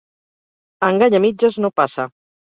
Engany a mitges no passa.